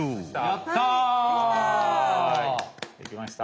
できました。